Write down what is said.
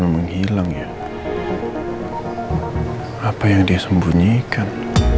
menghilang ya apa yang dia sembunyikan